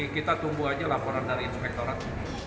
jadi kita tunggu aja laporan dari inspektorat